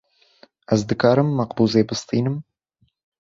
Ez dikarim makbûzê bistînim?